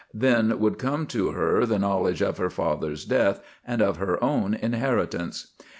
Then would come to her the knowledge of her father's death and of her own inheritance.